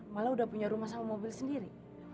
malah udah punya rumah sama mobil sendiri